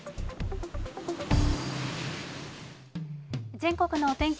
全国のお天気